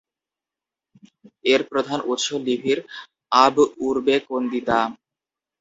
এর প্রধান উৎস লিভির "আব উরবে কন্দিতা"।